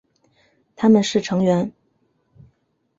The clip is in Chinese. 他们是成员。